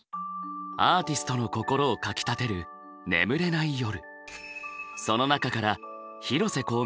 アーティストの心をかきたてる眠れない夜。